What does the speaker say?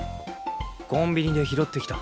コンビニで拾ってきた。